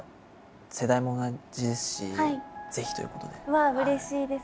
うわうれしいです。